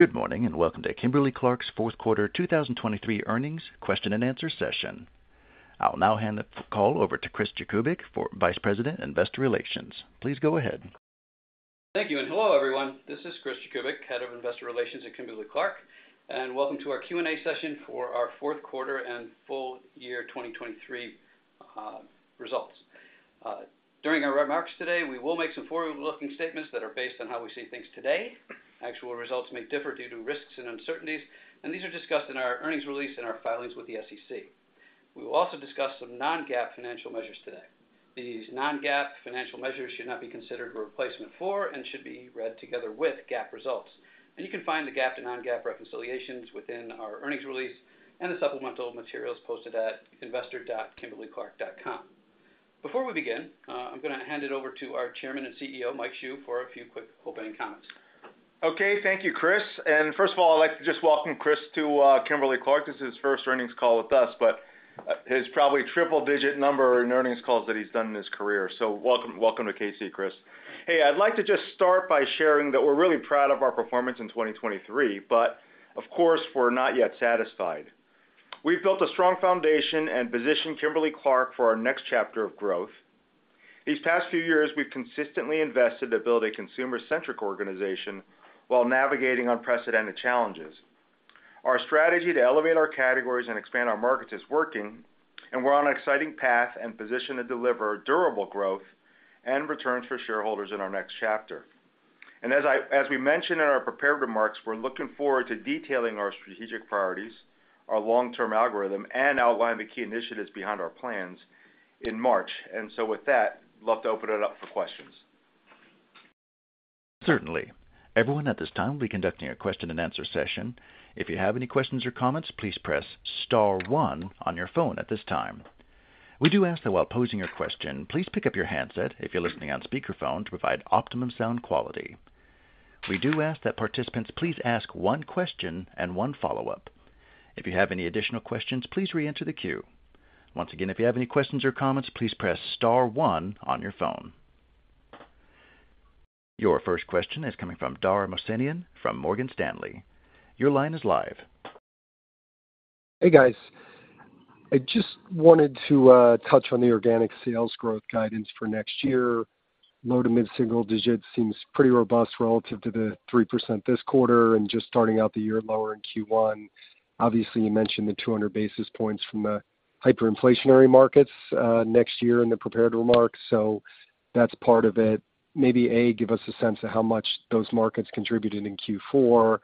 Good morning, and welcome to Kimberly-Clark's fourth quarter 2023 earnings question and answer session. I'll now hand the call over to Chris Jakubik, Vice President, Investor Relations. Please go ahead. Thank you, and hello, everyone. This is Chris Jakubik, Head of Investor Relations at Kimberly-Clark, and welcome to our Q&A session for our fourth quarter and full year 2023 results. During our remarks today, we will make some forward-looking statements that are based on how we see things today. Actual results may differ due to risks and uncertainties, and these are discussed in our earnings release and our filings with the SEC. We will also discuss some non-GAAP financial measures today. These non-GAAP financial measures should not be considered a replacement for and should be read together with GAAP results. You can find the GAAP to non-GAAP reconciliations within our earnings release and the supplemental materials posted at investor.kimberly-clark.com. Before we begin, I'm gonna hand it over to our Chairman and CEO, Mike Hsu, for a few quick opening comments. Okay, thank you, Chris. And first of all, I'd like to just welcome Chris to Kimberly-Clark. This is his first earnings call with us, but his probably triple-digit number in earnings calls that he's done in his career. So welcome, welcome to KC, Chris. Hey, I'd like to just start by sharing that we're really proud of our performance in 2023, but of course, we're not yet satisfied. We've built a strong foundation and positioned Kimberly-Clark for our next chapter of growth. These past few years, we've consistently invested to build a consumer-centric organization while navigating unprecedented challenges. Our strategy to elevate our categories and expand our markets is working, and we're on an exciting path and position to deliver durable growth and returns for shareholders in our next chapter. As we mentioned in our prepared remarks, we're looking forward to detailing our strategic priorities, our long-term algorithm, and outlining the key initiatives behind our plans in March. And so with that, love to open it up for questions. Certainly. Everyone, at this time, we'll be conducting a question-and-answer session. If you have any questions or comments, please press star one on your phone at this time. We do ask that while posing your question, please pick up your handset if you're listening on speakerphone, to provide optimum sound quality. We do ask that participants please ask one question and one follow-up. If you have any additional questions, please reenter the queue. Once again, if you have any questions or comments, please press star one on your phone. Your first question is coming from Dara Mohsenian from Morgan Stanley. Your line is live. Hey, guys. I just wanted to touch on the organic sales growth guidance for next year. Low to mid-single digit seems pretty robust relative to the 3% this quarter and just starting out the year lower in Q1. Obviously, you mentioned the 200 basis points from the hyperinflationary markets next year in the prepared remarks, so that's part of it. Maybe, A, give us a sense of how much those markets contributed in Q4.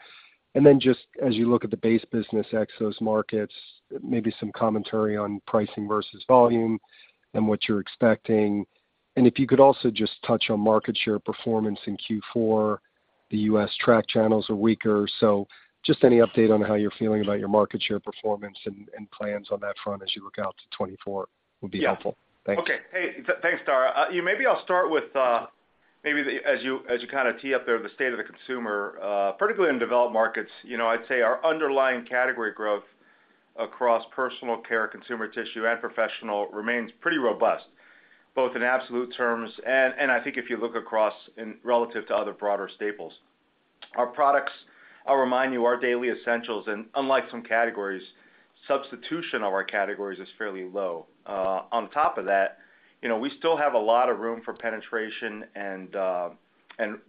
And then just as you look at the base business ex those markets, maybe some commentary on pricing versus volume and what you're expecting. And if you could also just touch on market share performance in Q4, the U.S. tracked channels are weaker, so just any update on how you're feeling about your market share performance and plans on that front as you look out to 2024 would be helpful. Yeah. Thanks. Okay. Hey, thanks, Dara. Yeah, maybe I'll start with maybe as you kinda tee up there, the state of the consumer, particularly in developed markets, you know, I'd say our underlying category growth across personal care, consumer tissue, and professional remains pretty robust, both in absolute terms and I think if you look across in relative to other broader staples. Our products, I'll remind you, our daily essentials, and unlike some categories, substitution of our categories is fairly low. On top of that, you know, we still have a lot of room for penetration and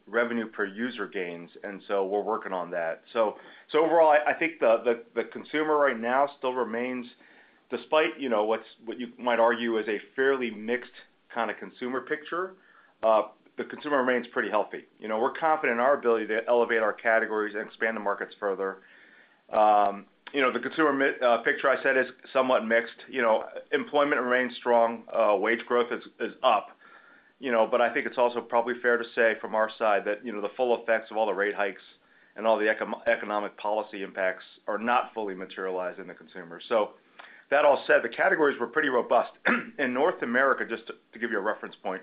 revenue per user gains, and so we're working on that. So overall, I think the consumer right now still remains despite, you know, what you might argue is a fairly mixed kinda consumer picture, the consumer remains pretty healthy. You know, we're confident in our ability to elevate our categories and expand the markets further. You know, the consumer picture I said is somewhat mixed. You know, employment remains strong, wage growth is up. You know, but I think it's also probably fair to say from our side that, you know, the full effects of all the rate hikes and all the economic policy impacts are not fully materialized in the consumer. So that all said, the categories were pretty robust. In North America, just to give you a reference point,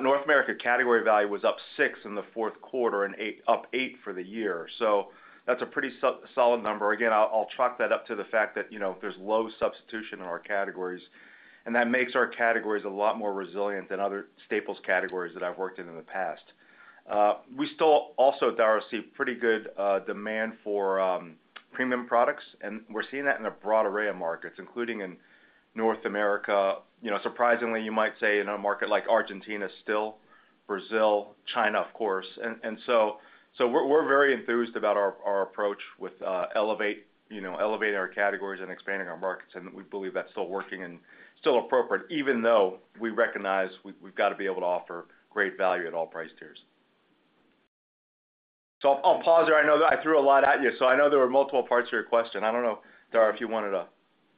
North America category value was up 6 in the fourth quarter and up 8 for the year. So that's a pretty solid number. Again, I'll chalk that up to the fact that, you know, there's low substitution in our categories, and that makes our categories a lot more resilient than other staples categories that I've worked in in the past. We still also, Dara, see pretty good demand for premium products, and we're seeing that in a broad array of markets, including in North America. You know, surprisingly, you might say, in a market like Argentina, still, Brazil, China, of course. So we're very enthused about our approach with elevate, you know, elevating our categories and expanding our markets, and we believe that's still working and still appropriate, even though we recognize we've got to be able to offer great value at all price tiers. So I'll pause there. I know that I threw a lot at you, so I know there were multiple parts to your question. I don't know, Dara, if you wanted to...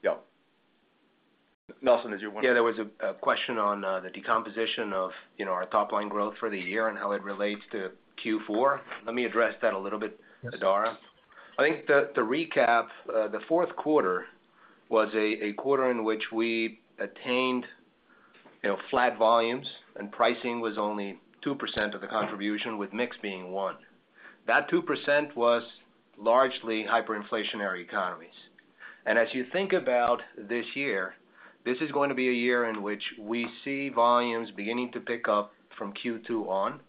Yeah. Nelson, did you want- Yeah, there was a question on the decomposition of, you know, our top-line growth for the year and how it relates to Q4. Let me address that a little bit, Dara. Yes. I think, to recap, the fourth quarter was a quarter in which we attained, you know, flat volumes, and pricing was only 2% of the contribution, with mix being 1. That 2% was largely hyperinflationary economies. And as you think about this year, this is going to be a year in which we see volumes beginning to pick up from Q2 on, and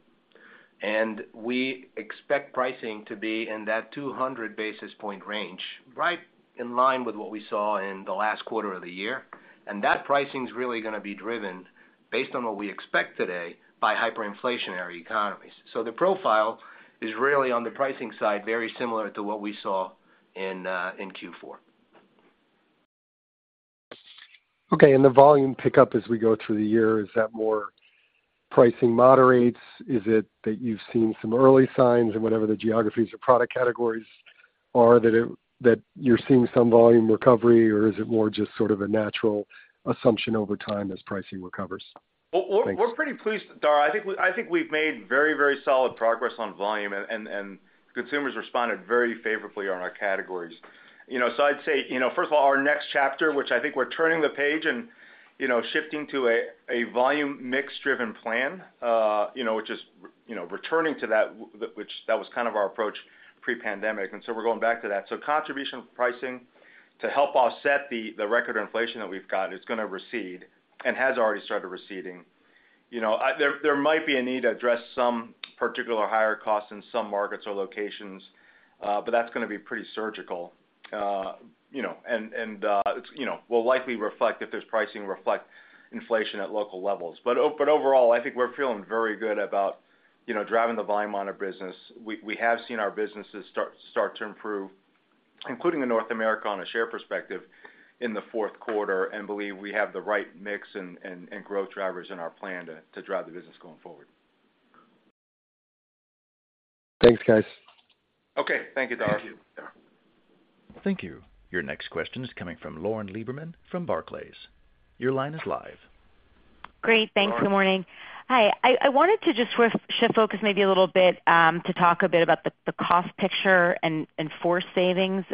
we expect pricing to be in that 200 basis point range, right in line with what we saw in the last quarter of the year. And that pricing is really gonna be driven based on what we expect today by hyperinflationary economies. So the profile is really on the pricing side, very similar to what we saw in, in Q4. Okay, and the volume pickup as we go through the year, is that more pricing moderates? Is it that you've seen some early signs in whatever the geographies or product categories are, that you're seeing some volume recovery, or is it more just sort of a natural assumption over time as pricing recovers? Thanks. Well, we're pretty pleased, Dara. I think we've made very, very solid progress on volume, and consumers responded very favorably on our categories. You know, so I'd say, you know, first of all, our next chapter, which I think we're turning the page and, you know, shifting to a volume mix-driven plan, you know, which is, you know, returning to that, which that was kind of our approach pre-pandemic, and so we're going back to that. So contribution pricing to help offset the record inflation that we've got is gonna recede and has already started receding. You know, there might be a need to address some particular higher costs in some markets or locations, but that's gonna be pretty surgical. You know, and you know, will likely reflect if there's pricing reflect inflation at local levels. But overall, I think we're feeling very good about, you know, driving the volume on our business. We have seen our businesses start to improve, including in North America, on a share perspective in the fourth quarter, and believe we have the right mix and growth drivers in our plan to drive the business going forward. Thanks, guys. Okay. Thank you, Dara. Thank you, Dara. Thank you. Your next question is coming from Lauren Lieberman from Barclays. Your line is live. Great. Thanks. Good morning. Hi, I wanted to just shift focus maybe a little bit to talk a bit about the cost picture and FORCE savings.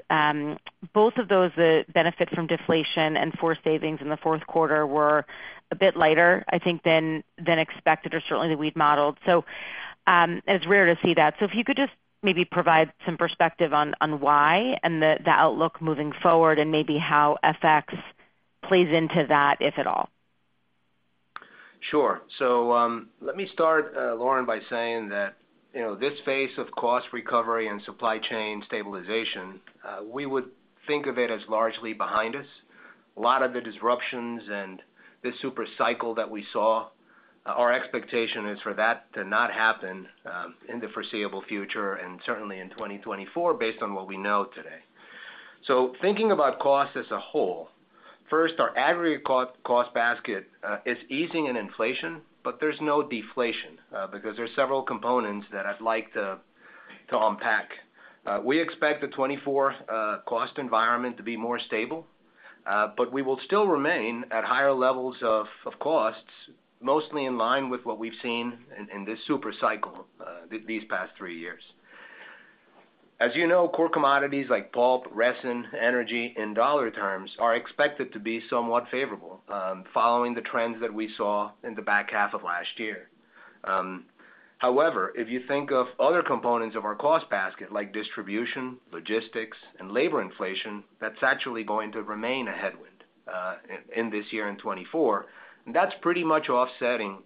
Both of those, the benefit from deflation and FORCE savings in the fourth quarter were a bit lighter, I think, than expected, or certainly that we'd modeled. So, it's rare to see that. So if you could just maybe provide some perspective on why and the outlook moving forward, and maybe how FX plays into that, if at all. Sure. So, let me start, Lauren, by saying that, you know, this phase of cost recovery and supply chain stabilization, we would think of it as largely behind us. A lot of the disruptions and this super cycle that we saw, our expectation is for that to not happen, in the foreseeable future, and certainly in 2024, based on what we know today. So thinking about cost as a whole, first, our aggregate cost basket, is easing in inflation, but there's no deflation, because there are several components that I'd like to unpack. We expect the 2024 cost environment to be more stable, but we will still remain at higher levels of costs, mostly in line with what we've seen in this super cycle, these past three years. As you know, core commodities like pulp, resin, energy, and dollar terms are expected to be somewhat favorable, following the trends that we saw in the back half of last year. However, if you think of other components of our cost basket, like distribution, logistics, and labor inflation, that's actually going to remain a headwind in this year, in 2024. And that's pretty much offsetting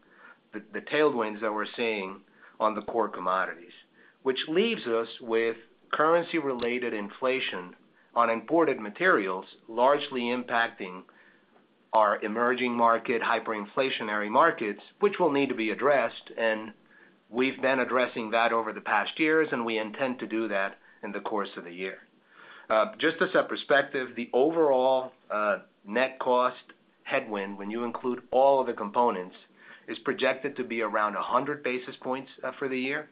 the tailwinds that we're seeing on the core commodities, which leaves us with currency-related inflation on imported materials, largely impacting our emerging market, hyperinflationary markets, which will need to be addressed. And we've been addressing that over the past years, and we intend to do that in the course of the year. Just as a perspective, the overall net cost headwind, when you include all of the components, is projected to be around 100 basis points for the year,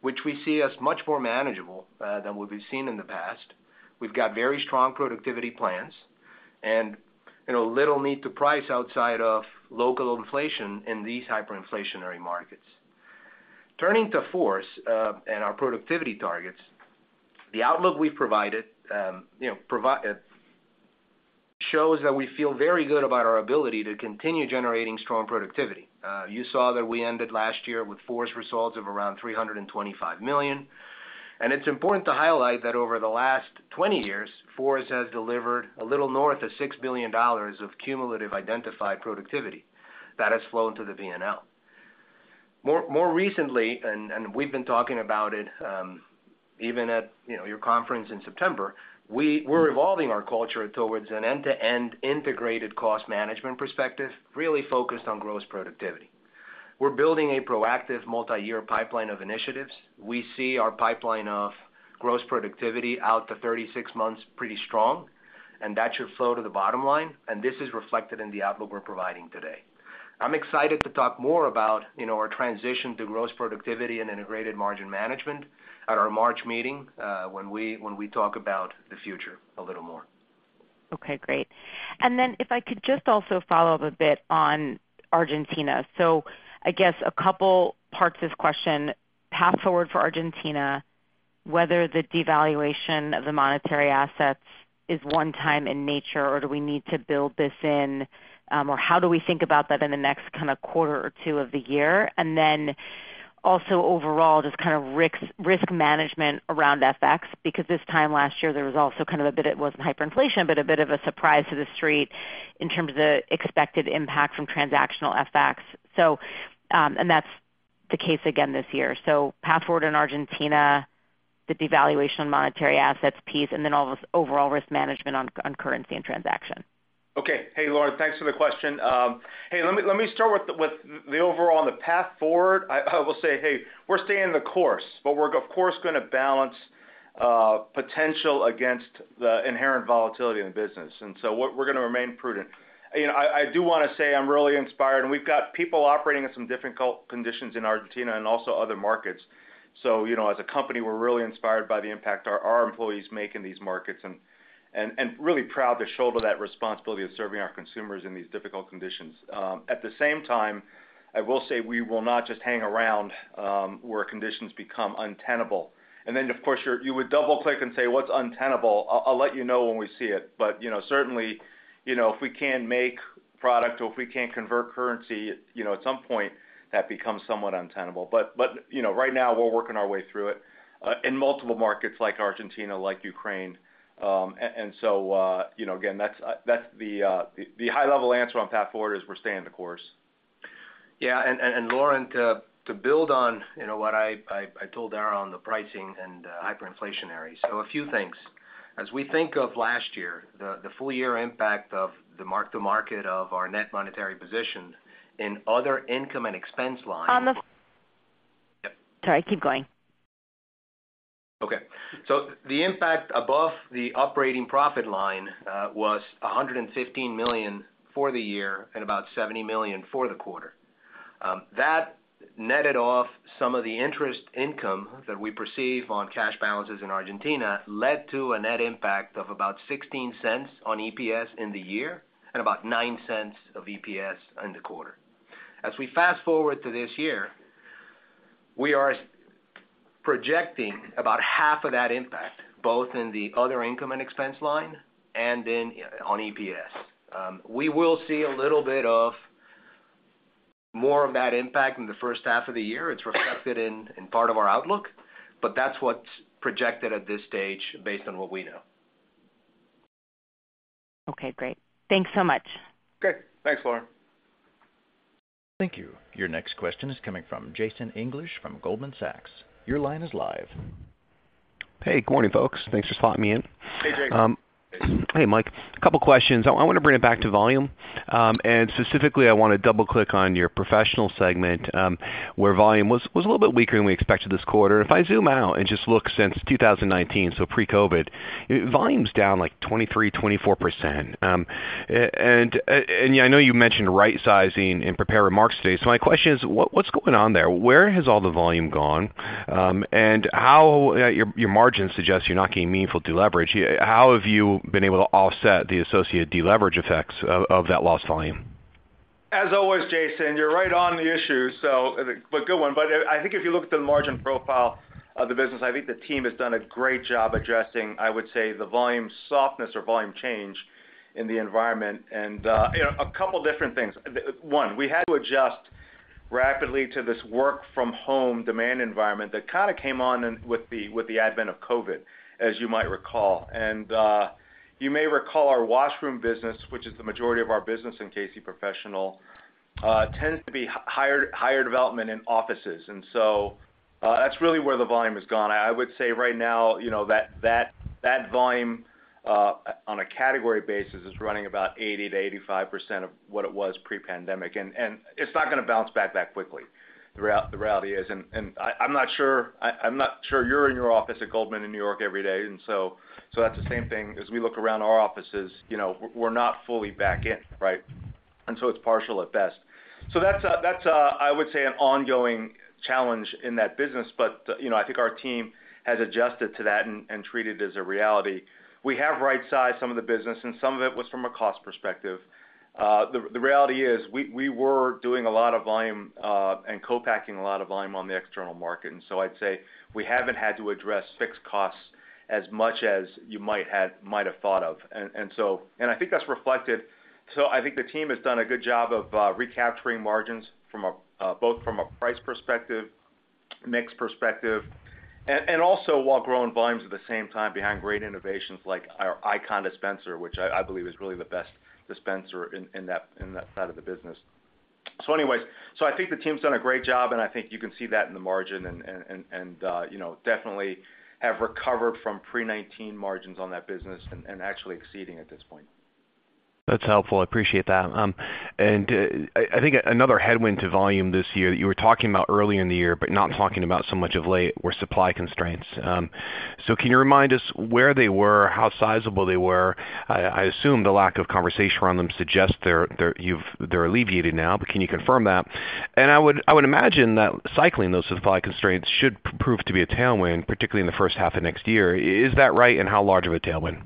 which we see as much more manageable than what we've seen in the past. We've got very strong productivity plans and, you know, little need to price outside of local inflation in these hyperinflationary markets. Turning to FORCE and our productivity targets, the outlook we've provided shows that we feel very good about our ability to continue generating strong productivity. You saw that we ended last year with FORCE results of around $325 million, and it's important to highlight that over the last 20 years, FORCE has delivered a little north of $6 billion of cumulative identified productivity that has flowed to the P&L. More recently, and we've been talking about it, even at, you know, your conference in September, we're evolving our culture towards an end-to-end integrated cost management perspective, really focused on gross productivity. We're building a proactive multiyear pipeline of initiatives. We see our pipeline of gross productivity out to 36 months, pretty strong, and that should flow to the bottom line, and this is reflected in the outlook we're providing today. I'm excited to talk more about, you know, our transition to gross productivity and integrated margin management at our March meeting, when we talk about the future a little more. Okay, great. And then if I could just also follow up a bit on Argentina. So I guess a couple parts of this question, path forward for Argentina, whether the devaluation of the monetary assets is one-time in nature, or do we need to build this in? Or how do we think about that in the next kind of quarter or two of the year? And then also, overall, just kind of risk management around FX, because this time last year, there was also kind of a bit, it wasn't hyperinflation, but a bit of a surprise to the street in terms of the expected impact from transactional FX. So, and that's the case again this year. So path forward in Argentina, the devaluation on monetary assets piece, and then all this overall risk management on currency and transaction. Okay. Hey, Lauren, thanks for the question. Hey, let me start with the overall on the path forward. I will say, hey, we're staying the course, but we're, of course, gonna balance potential against the inherent volatility in the business, and so what we're gonna remain prudent. You know, I do wanna say I'm really inspired, and we've got people operating in some difficult conditions in Argentina and also other markets. So, you know, as a company, we're really inspired by the impact our employees make in these markets and really proud to shoulder that responsibility of serving our consumers in these difficult conditions. At the same time, I will say we will not just hang around where conditions become untenable. And then, of course, you would double-click and say, "What's untenable?" I'll let you know when we see it. But you know, certainly, you know, if we can't make product or if we can't convert currency, you know, at some point, that becomes somewhat untenable. But you know, right now, we're working our way through it in multiple markets like Argentina, like Ukraine. And so you know, again, that's the high-level answer on path forward is we're staying the course. Yeah, and Lauren, to build on, you know, what I told Dara on the pricing and hyperinflationary. So a few things: as we think of last year, the full year impact of the mark-to-market of our net monetary position in other income and expense lines- On the- Yep. Sorry, keep going. Okay. So the impact above the operating profit line was $115 million for the year and about $70 million for the quarter. That netted off some of the interest income that we receive on cash balances in Argentina, led to a net impact of about $0.16 on EPS in the year and about $0.09 of EPS in the quarter. As we fast forward to this year, we are projecting about half of that impact, both in the other income and expense line and then on EPS. We will see a little bit more of that impact in the first half of the year. It's reflected in, in part of our outlook, but that's what's projected at this stage based on what we know. Okay, great. Thanks so much. Okay. Thanks, Lauren. Thank you. Your next question is coming from Jason English from Goldman Sachs. Your line is live. Hey, good morning, folks. Thanks for popping me in. Hey, Jason. Hey, Mike. A couple questions. I wanna bring it back to volume, and specifically, I wanna double-click on your professional segment, where volume was a little bit weaker than we expected this quarter. If I zoom out and just look since 2019, so pre-COVID, volume's down, like, 23%-24%. And I know you mentioned rightsizing in prepared remarks today. So my question is, what's going on there? Where has all the volume gone? And how your margins suggest you're not getting meaningful deleverage. How have you been able to offset the associated deleverage effects of that lost volume? As always, Jason, you're right on the issue, so but good one. But I think if you look at the margin profile of the business, I think the team has done a great job addressing, I would say, the volume softness or volume change in the environment. And you know, a couple different things. One, we had to adjust rapidly to this work-from-home demand environment that kinda came on in with the advent of COVID, as you might recall. And you may recall our washroom business, which is the majority of our business in KC Professional, tends to be higher development in offices, and so, that's really where the volume has gone. I would say right now, you know, that volume on a category basis is running about 80%-85% of what it was pre-pandemic, and it's not gonna bounce back that quickly. The reality is, and I, I'm not sure you're in your office at Goldman in New York every day, and so that's the same thing as we look around our offices, you know, we're not fully back in, right? And so it's partial at best. So that's a, I would say, an ongoing challenge in that business, but, you know, I think our team has adjusted to that and treat it as a reality. We have right-sized some of the business, and some of it was from a cost perspective. The reality is, we were doing a lot of volume and co-packing a lot of volume on the external market, and so I'd say we haven't had to address fixed costs as much as you might have thought of. And I think that's reflected. So I think the team has done a good job of recapturing margins from both a price perspective, mix perspective, and also while growing volumes at the same time behind great innovations like our Icon dispenser, which I believe is really the best dispenser in that side of the business. So anyways, I think the team's done a great job, and I think you can see that in the margin and, you know, definitely have recovered from pre-2019 margins on that business and actually exceeding at this point. That's helpful. I appreciate that. I think another headwind to volume this year that you were talking about early in the year, but not talking about so much of late, were supply constraints. So can you remind us where they were, how sizable they were? I assume the lack of conversation around them suggests they're alleviated now, but can you confirm that? I would imagine that cycling those supply constraints should prove to be a tailwind, particularly in the first half of next year. Is that right, and how large of a tailwind?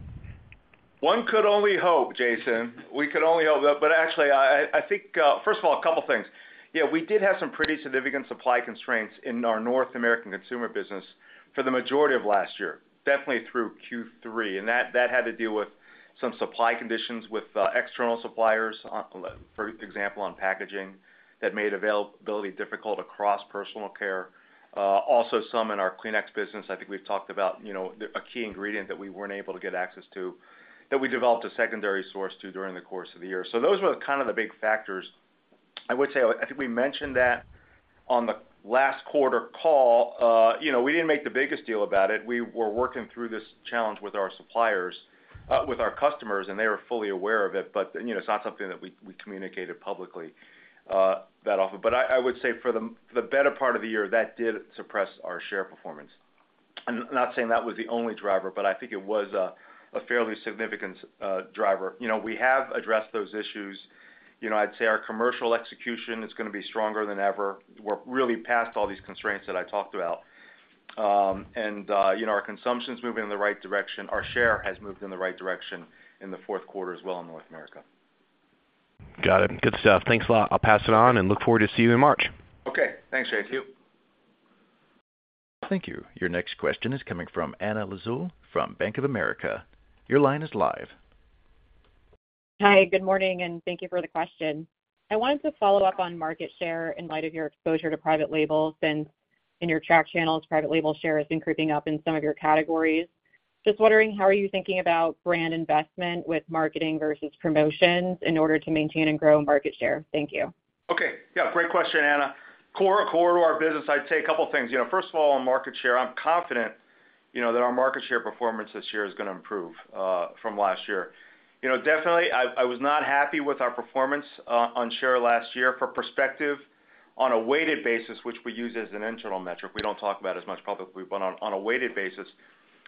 One could only hope, Jason. We could only hope that, but actually, I think, first of all, a couple things. Yeah, we did have some pretty significant supply constraints in our North American consumer business for the majority of last year, definitely through Q3, and that had to do with some supply conditions with external suppliers, on, for example, on packaging, that made availability difficult across personal care. Also some in our Kleenex business. I think we've talked about, you know, the, a key ingredient that we weren't able to get access to, that we developed a secondary source to during the course of the year. So those were kind of the big factors. I would say, I think we mentioned that on the last quarter call. You know, we didn't make the biggest deal about it. We were working through this challenge with our suppliers, with our customers, and they were fully aware of it. But, you know, it's not something that we, we communicated publicly, that often. But I, I would say for the, for the better part of the year, that did suppress our share performance. I'm not saying that was the only driver, but I think it was a, a fairly significant, driver. You know, we have addressed those issues. You know, I'd say our commercial execution is gonna be stronger than ever. We're really past all these constraints that I talked about. And, you know, our consumption's moving in the right direction. Our share has moved in the right direction in the fourth quarter as well in North America. Got it. Good stuff. Thanks a lot. I'll pass it on and look forward to seeing you in March. Okay. Thanks, Jason. Thank you. Your next question is coming from Anna Lizzul from Bank of America. Your line is live. Hi, good morning, and thank you for the question. I wanted to follow up on market share in light of your exposure to private labels, and in your tracked channels, private label share is increasing up in some of your categories. Just wondering, how are you thinking about brand investment with marketing versus promotions in order to maintain and grow market share? Thank you. Okay. Yeah, great question, Anna. Core to our business, I'd say a couple things. You know, first of all, on market share, I'm confident, you know, that our market share performance this year is gonna improve from last year. You know, definitely, I was not happy with our performance on share last year. For perspective, on a weighted basis, which we use as an internal metric, we don't talk about as much publicly, but on a weighted basis,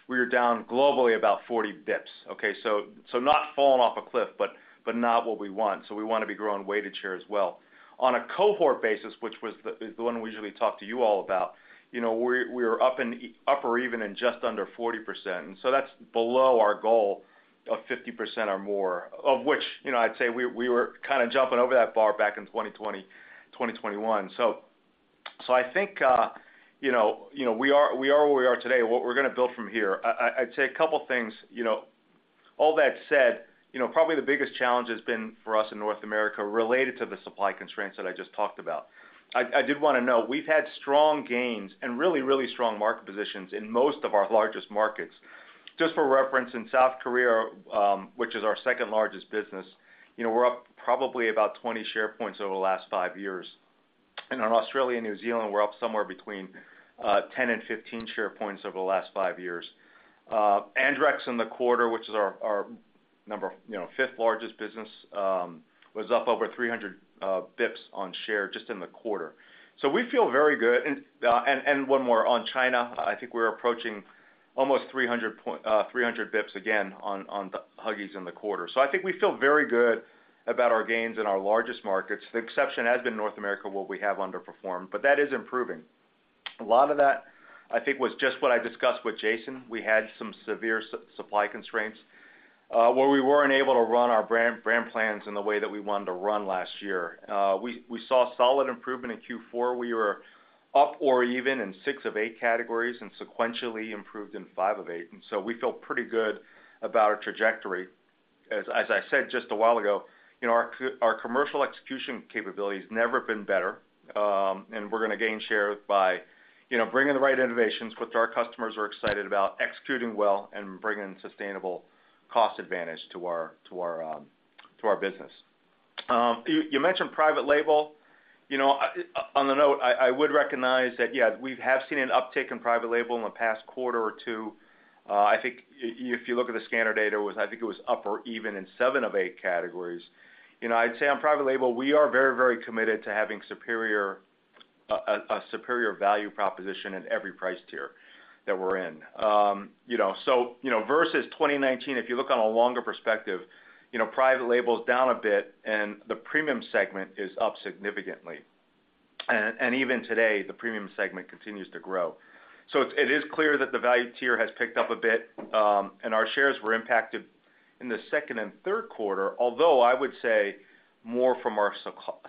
we are down globally about 40 basis points, okay? So not falling off a cliff, but not what we want. So we wanna be growing weighted share as well. On a cohort basis, which was the one we usually talk to you all about, you know, we're up or even in just under 40%. So that's below our goal of 50% or more, of which, you know, I'd say we were kind of jumping over that bar back in 2020, 2021. So I think, you know, you know, we are where we are today, and what we're gonna build from here. I'd say a couple things. You know, all that said, you know, probably the biggest challenge has been for us in North America related to the supply constraints that I just talked about. I did want to note, we've had strong gains and really, really strong market positions in most of our largest markets. Just for reference, in South Korea, which is our second-largest business, you know, we're up probably about 20 share points over the last five years. And in Australia and New Zealand, we're up somewhere between 10 and 15 share points over the last five years. Andrex in the quarter, which is our number, you know, fifth-largest business, was up over 300 basis points on share just in the quarter. So we feel very good. And one more, on China, I think we're approaching almost 300 basis points again on the Huggies in the quarter. So I think we feel very good about our gains in our largest markets. The exception has been North America, where we have underperformed, but that is improving. A lot of that, I think, was just what I discussed with Jason. We had some severe supply constraints, where we weren't able to run our brand plans in the way that we wanted to run last year. We saw solid improvement in Q4. We were up or even in six of eight categories and sequentially improved in five of eight, and so we feel pretty good about our trajectory. As I said just a while ago, you know, our commercial execution capability's never been better, and we're gonna gain share by, you know, bringing the right innovations, which our customers are excited about, executing well and bringing sustainable cost advantage to our business. You mentioned private label. You know, on the note, I would recognize that, yeah, we have seen an uptick in private label in the past quarter or two. I think if you look at the scanner data, I think it was up or even in seven of eight categories. You know, I'd say on private label, we are very, very committed to having superior, a superior value proposition in every price tier that we're in. You know, so, you know, versus 2019, if you look on a longer perspective, you know, private label is down a bit, and the premium segment is up significantly. And even today, the premium segment continues to grow. So it is clear that the value tier has picked up a bit, and our shares were impacted in the second and third quarter, although I would say more from our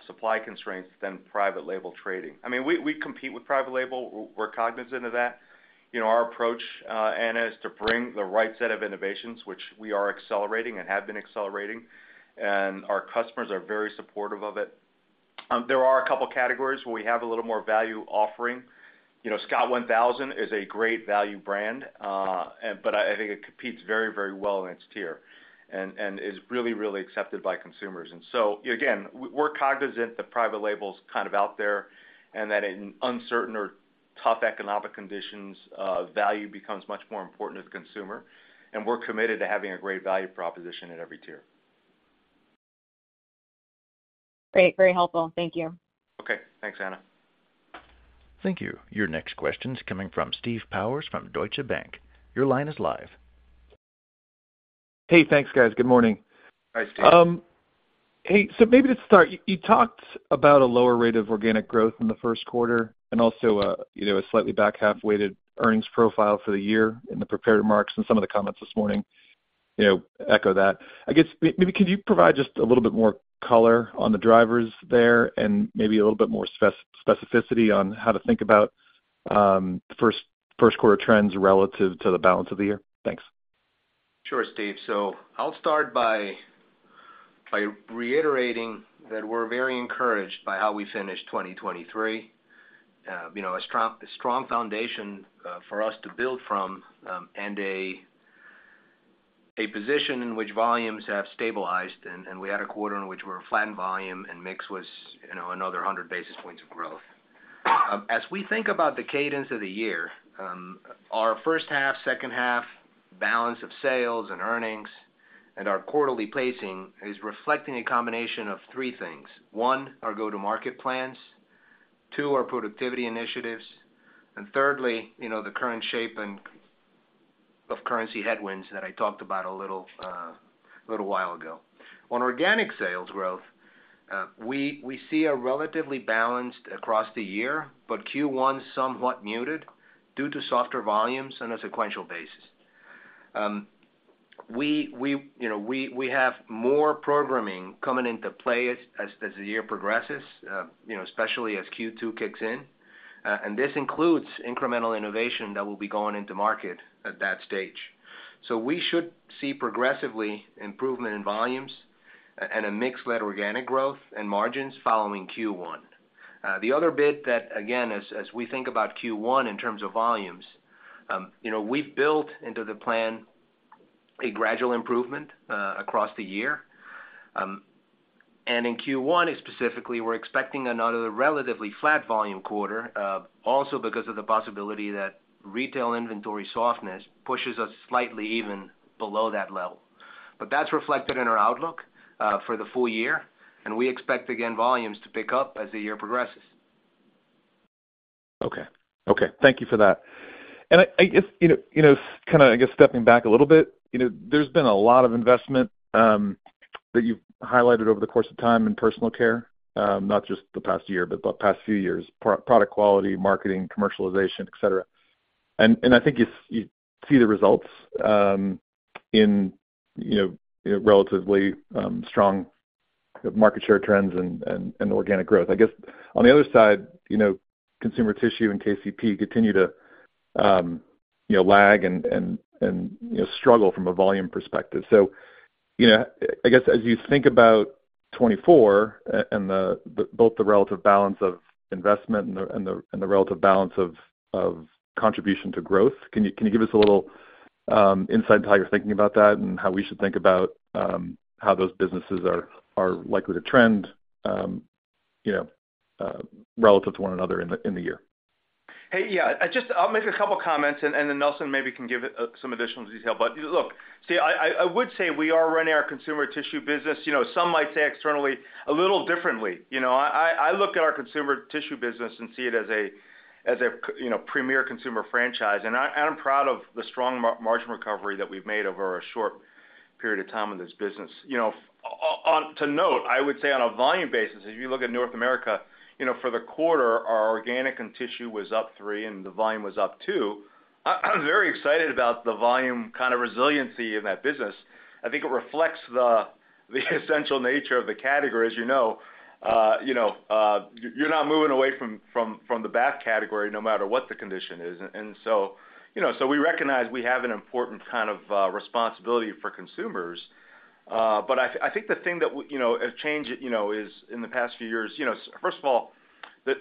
supply constraints than private label trading. I mean, we compete with private label. We're cognizant of that. You know, our approach, Anna, is to bring the right set of innovations, which we are accelerating and have been accelerating, and our customers are very supportive of it. There are a couple categories where we have a little more value offering. You know, Scott 1000 is a great value brand, and but I, I think it competes very, very well in its tier and, and is really, really accepted by consumers. And so, again, we're cognizant that private label is kind of out there, and that in uncertain or tough economic conditions, value becomes much more important to the consumer, and we're committed to having a great value proposition at every tier. Great. Very helpful. Thank you. Okay. Thanks, Anna. Thank you. Your next question is coming from Steve Powers from Deutsche Bank. Your line is live. Hey, thanks, guys. Good morning. Hi, Steve.... Hey, so maybe to start, you, you talked about a lower rate of organic growth in the first quarter and also, you know, a slightly back half-weighted earnings profile for the year in the prepared remarks, and some of the comments this morning, you know, echo that. I guess, maybe could you provide just a little bit more color on the drivers there, and maybe a little bit more spec- specificity on how to think about, first, first quarter trends relative to the balance of the year? Thanks. Sure, Steve. So I'll start by reiterating that we're very encouraged by how we finished 2023. You know, a strong foundation for us to build from, and a position in which volumes have stabilized, and we had a quarter in which we were flattened volume, and mix was, you know, another 100 basis points of growth. As we think about the cadence of the year, our first half, second half balance of sales and earnings and our quarterly pacing is reflecting a combination of three things: one, our go-to-market plans, two, our productivity initiatives, and thirdly, you know, the current shape and of currency headwinds that I talked about a little while ago. On organic sales growth, we see a relatively balanced across the year, but Q1 is somewhat muted due to softer volumes on a sequential basis. We, you know, have more programming coming into play as the year progresses, you know, especially as Q2 kicks in. And this includes incremental innovation that will be going into market at that stage. So we should see progressively improvement in volumes and a mix-led organic growth and margins following Q1. The other bit that, again, as we think about Q1 in terms of volumes, you know, we've built into the plan a gradual improvement across the year. And in Q1, specifically, we're expecting another relatively flat volume quarter, also because of the possibility that retail inventory softness pushes us slightly even below that level. But that's reflected in our outlook for the full year, and we expect, again, volumes to pick up as the year progresses. Okay. Okay, thank you for that. And I, I guess, you know, you know, kinda, I guess, stepping back a little bit, you know, there's been a lot of investment that you've highlighted over the course of time in personal care, not just the past year, but the past few years, product quality, marketing, commercialization, et cetera. And, and I think you, you see the results in, you know, relatively strong market share trends and, and, and organic growth. I guess, on the other side, you know, consumer tissue and KCP continue to, you know, lag and, and, and, you know, struggle from a volume perspective. So, you know, I guess as you think about 2024 and both the relative balance of investment and the relative balance of contribution to growth, can you give us a little insight into how you're thinking about that and how we should think about how those businesses are likely to trend, you know, relative to one another in the year? Hey, yeah. I just. I'll make a couple comments, and then Nelson maybe can give some additional detail. But I would say we are running our consumer tissue business, you know, some might say externally, a little differently. You know, I look at our consumer tissue business and see it as a, you know, premier consumer franchise, and I'm proud of the strong margin recovery that we've made over a short period of time in this business. You know, on to note, I would say on a volume basis, if you look at North America, you know, for the quarter, our organic and tissue was up 3, and the volume was up 2. I'm very excited about the volume kind of resiliency in that business. I think it reflects the essential nature of the category, as you know. You know, you're not moving away from the bath category, no matter what the condition is. And so we recognize we have an important kind of responsibility for consumers. But I think the thing that has changed is in the past few years, first of all,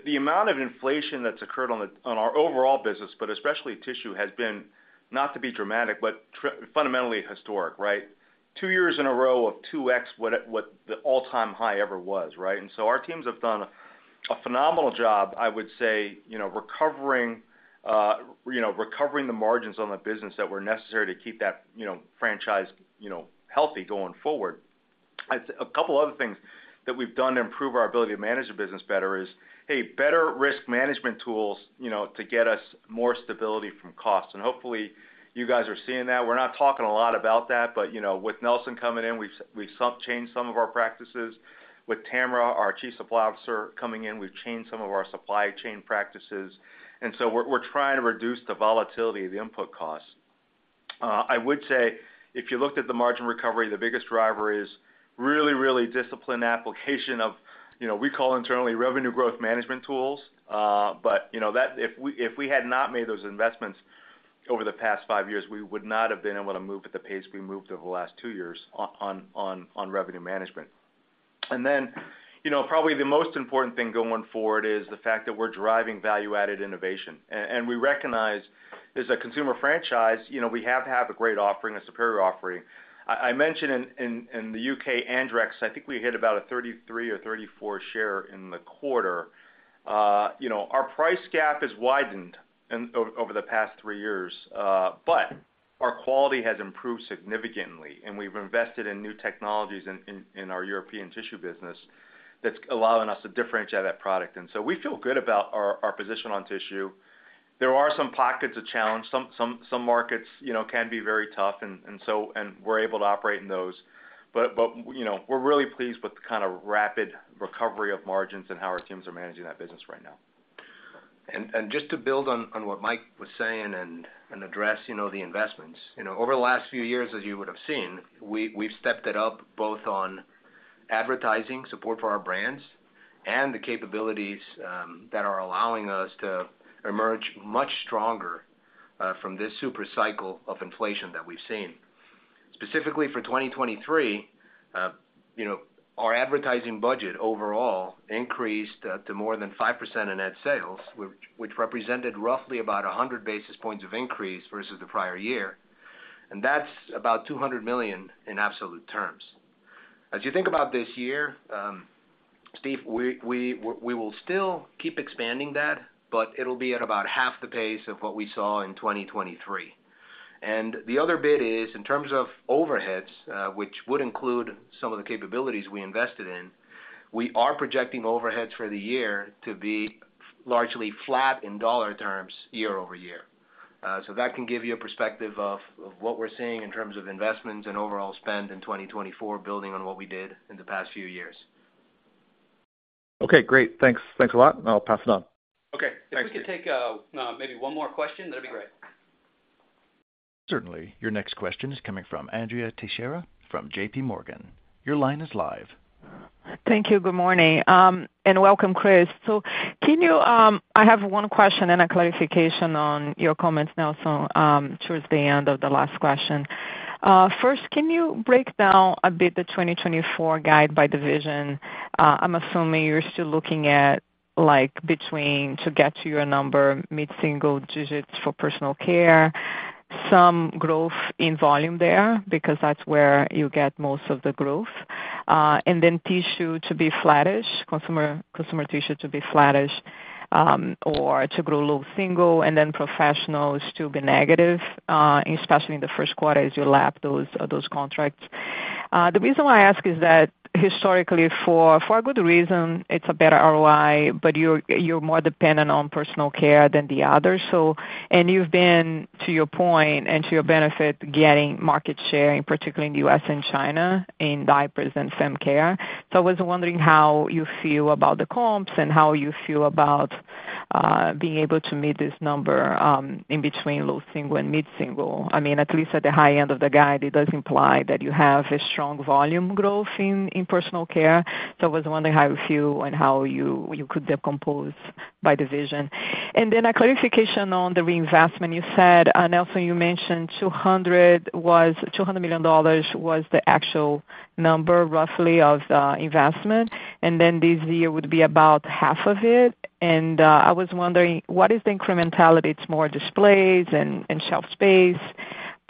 the amount of inflation that's occurred on our overall business, but especially tissue, has been, not to be dramatic, but fundamentally historic, right? Two years in a row of two X what the all-time high ever was, right? And so our teams have done a phenomenal job, I would say, you know, recovering, you know, recovering the margins on the business that were necessary to keep that, you know, franchise, you know, healthy going forward. A couple other things that we've done to improve our ability to manage the business better is, hey, better risk management tools, you know, to get us more stability from costs. And hopefully, you guys are seeing that. We're not talking a lot about that, but, you know, with Nelson coming in, we've changed some of our practices. With Tamera, our Chief Supply Officer, coming in, we've changed some of our supply chain practices, and so we're, we're trying to reduce the volatility of the input costs. I would say if you looked at the margin recovery, the biggest driver is really, really disciplined application of, you know, we call internally, revenue growth management tools. But you know, that if we, if we had not made those investments over the past five years, we would not have been able to move at the pace we moved over the last two years on revenue management. And then, you know, probably the most important thing going forward is the fact that we're driving value-added innovation. And we recognize, as a consumer franchise, you know, we have to have a great offering, a superior offering. I mentioned in the UK, Andrex, I think we hit about a 33 or 34 share in the quarter. You know, our price gap has widened in over the past three years, but our quality has improved significantly, and we've invested in new technologies in our European tissue business that's allowing us to differentiate that product. And so we feel good about our position on tissue. There are some pockets of challenge. Some markets, you know, can be very tough, and so we're able to operate in those. But you know, we're really pleased with the kind of rapid recovery of margins and how our teams are managing that business right now. And just to build on what Mike was saying and address, you know, the investments. You know, over the last few years, as you would have seen, we've stepped it up both on advertising support for our brands and the capabilities that are allowing us to emerge much stronger from this super cycle of inflation that we've seen. Specifically for 2023, you know, our advertising budget overall increased to more than 5% of net sales, which represented roughly about 100 basis points of increase versus the prior year, and that's about $200 million in absolute terms. As you think about this year, Steve, we will still keep expanding that, but it'll be at about half the pace of what we saw in 2023. The other bit is, in terms of overheads, which would include some of the capabilities we invested in, we are projecting overheads for the year to be largely flat in dollar terms year-over-year. That can give you a perspective of, of what we're seeing in terms of investments and overall spend in 2024, building on what we did in the past few years. Okay, great. Thanks. Thanks a lot, and I'll pass it on. Okay. If we could take, maybe one more question, that'd be great. Certainly. Your next question is coming from Andrea Teixeira from J.P. Morgan. Your line is live. Thank you. Good morning, and welcome, Chris. So can you, I have one question and a clarification on your comments, Nelson, towards the end of the last question. First, can you break down a bit the 2024 guide by division? I'm assuming you're still looking at, like, between, to get to your number, mid-single digits for personal care, some growth in volume there, because that's where you get most of the growth. And then tissue to be flattish, consumer, consumer tissue to be flattish, or to grow low single, and then professionals to be negative, especially in the first quarter, as you lap those, those contracts. The reason why I ask is that historically, for, for a good reason, it's a better ROI, but you're, you're more dependent on personal care than the others. So you've been, to your point and to your benefit, getting market share, particularly in the U.S. and China, in diapers and fem care. So I was wondering how you feel about the comps and how you feel about being able to meet this number in between low single and mid-single. I mean, at least at the high end of the guide, it does imply that you have a strong volume growth in personal care. So I was wondering how you feel and how you could decompose by division. And then a clarification on the reinvestment. You said, Nelson, you mentioned $200 million was the actual number, roughly, of the investment, and then this year would be about $100 million. And I was wondering, what is the incrementality? It's more displays and shelf space,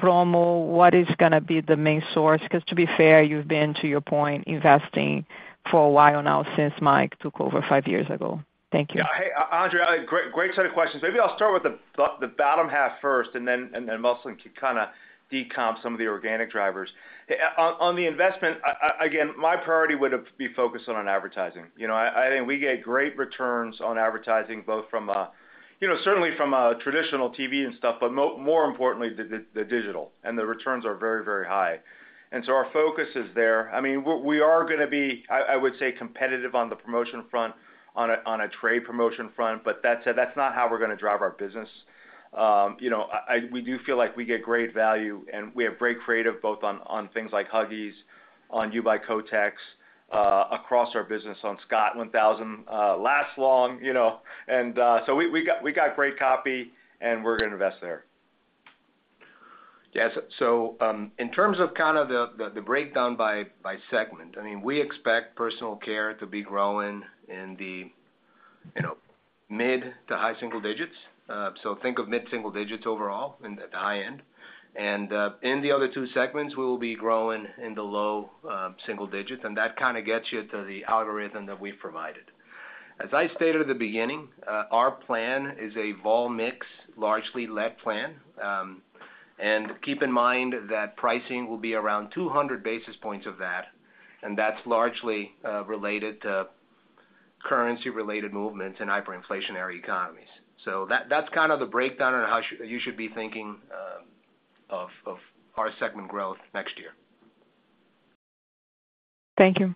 promo? What is gonna be the main source? Because to be fair, you've been, to your point, investing for a while now, since Mike took over five years ago. Thank you. Yeah. Hey, Andrea, great, great set of questions. Maybe I'll start with the bottom half first and then Nelson can kind of decomp some of the organic drivers. On the investment, again, my priority would have been focused on advertising. You know, I think we get great returns on advertising, both from, you know, certainly from traditional TV and stuff, but more importantly, the digital, and the returns are very, very high. And so our focus is there. I mean, we are gonna be, I would say, competitive on the promotion front, on a trade promotion front, but that's not how we're gonna drive our business. You know, we do feel like we get great value, and we have great creative, both on things like Huggies, on U by Kotex, across our business on Scott 1000, last long, you know. So we got great copy, and we're gonna invest there. Yes. So, in terms of kind of the breakdown by segment, I mean, we expect personal care to be growing in the, you know, mid to high single digits. So think of mid single digits overall and at the high end. And, in the other two segments, we will be growing in the low single digits, and that kind of gets you to the algorithm that we've provided. As I stated at the beginning, our plan is a vol mix largely led plan. And keep in mind that pricing will be around 200 basis points of that, and that's largely related to currency-related movements in hyperinflationary economies. So that's kind of the breakdown on how you should be thinking of our segment growth next year. Thank you.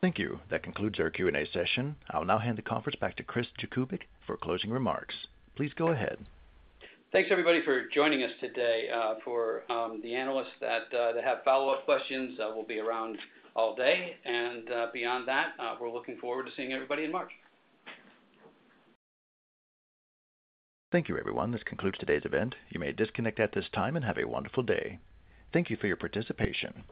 Thank you. That concludes our Q&A session. I'll now hand the conference back to Chris Jakubik for closing remarks. Please go ahead. Thanks, everybody, for joining us today. For the analysts that have follow-up questions, I will be around all day. Beyond that, we're looking forward to seeing everybody in March. Thank you, everyone. This concludes today's event. You may disconnect at this time, and have a wonderful day. Thank you for your participation.